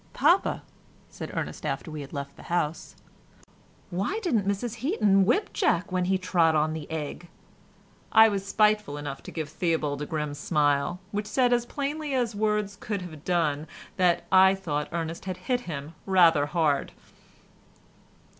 "Papa," said Ernest, after we had left the house, "Why didn't Mrs Heaton whip Jack when he trod on the egg?" I was spiteful enough to give Theobald a grim smile which said as plainly as words could have done that I thought Ernest had hit him rather hard.